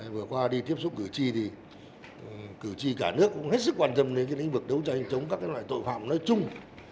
vừa qua đi tiếp xúc cử tri thì cử tri cả nước cũng hết sức quan tâm đến lĩnh vực đấu tranh chống các loại tội phạm nói chung